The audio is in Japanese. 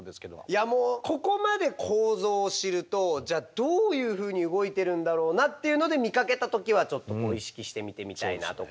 いやもうここまで構造を知るとじゃあどういうふうに動いてるんだろうなっていうので見かけた時はちょっと意識して見てみたいなとか。